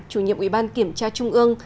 chủ nhiệm ủy ban kiểm tra trung ương